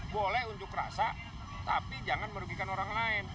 boleh unjuk rasa tapi jangan merugikan orang lain